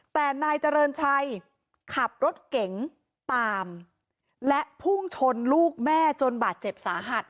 แต่นายเจริญชัยขับรถเก๋งตามและพุ่งชนลูกแม่จนบาดเจ็บสาหัส